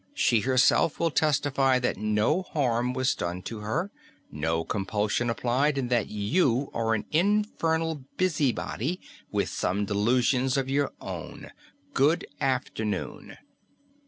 She herself will testify that no harm was done to her; no compulsion applied; and that you are an infernal busybody with some delusions of your own. Good afternoon."